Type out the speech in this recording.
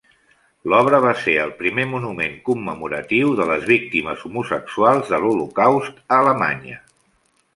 L'obra va ser el primer monument commemoratiu de les víctimes homosexuals de l'holocaust a Alemanya.